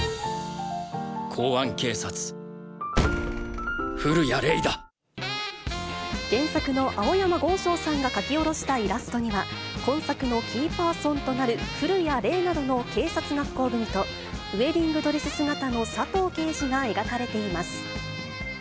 公安警察、原作の青山剛昌さんが書き下ろしたイラストには、今作もキーパーソンとなる降谷零などの警察学校組と、ウエディングドレス姿の佐藤刑事が描かれています。